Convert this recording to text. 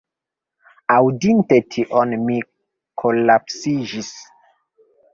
Aŭdinte tion, mi kolapsiĝis.